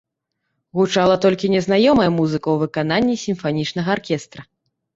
Гучала толькі незнаёмая музыка ў выкананні сімфанічнага аркестра.